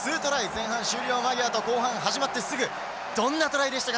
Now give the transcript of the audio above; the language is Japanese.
前半終了間際と後半始まってすぐどんなトライでしたか？